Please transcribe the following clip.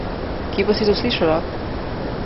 Kje pa si to slišala?